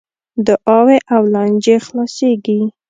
دعاوې او لانجې خلاصیږي .